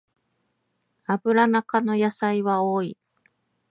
アブラナ科の野菜は多い